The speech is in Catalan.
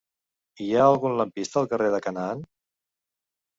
Hi ha algun lampista al carrer de Canaan?